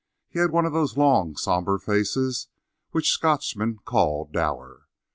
He had one of those long somber faces which Scotchmen call "dour."